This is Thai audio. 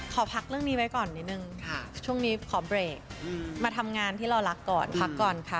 ขอพักเรื่องนี้ไว้ก่อนนิดนึงช่วงนี้ขอเบรกมาทำงานที่เรารักก่อนพักก่อนค่ะ